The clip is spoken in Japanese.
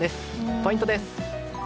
ポイントです。